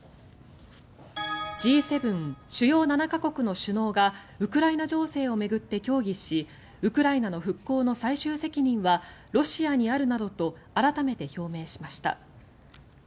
Ｇ７・主要７か国の首脳がウクライナ情勢を巡って協議しウクライナの復興の最終責任はロシアにあるなどと改めて表明しました。